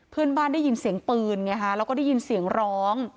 เพื่อนบ้านได้ยินเสียงปืนไงฮะแล้วก็ได้ยินเสียงร้อง